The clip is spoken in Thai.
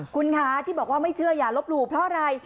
คุณคะที่บอกว่าไม่เชื่ออย่าลบหลู่เพราะอะไร